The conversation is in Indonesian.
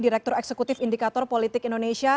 direktur eksekutif indikator politik indonesia